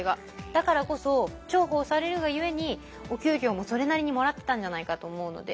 だからこそ重宝されるがゆえにお給料もそれなりにもらってたんじゃないかと思うので。